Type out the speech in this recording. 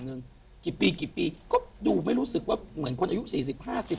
หนึ่งกี่ปีกี่ปีก็ดูไม่รู้สึกว่าเหมือนคนอายุสี่สิบห้าสิบ